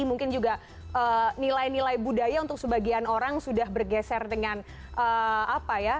mungkin juga nilai nilai budaya untuk sebagian orang sudah bergeser dengan apa ya